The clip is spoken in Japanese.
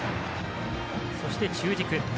そして中軸。